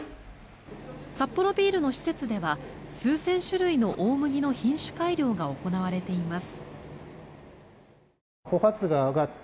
サッポロビールの施設では数千種類の大麦の品種改良が行われています。